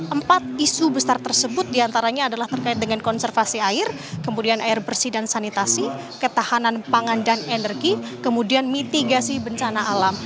empat isu besar tersebut diantaranya adalah terkait dengan konservasi air kemudian air bersih dan sanitasi ketahanan pangan dan energi kemudian mitigasi bencana alam